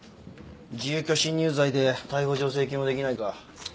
住居侵入罪で逮捕状請求もできないか。